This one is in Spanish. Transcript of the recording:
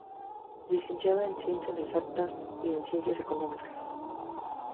Licenciado en Ciencias Exactas y en Ciencias Económicas.